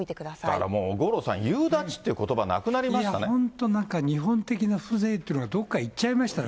だからもう、五郎さん、夕立っていうことば、なくなりました本当、なんか日本的な風情というのがどこかへ行っちゃいましたね、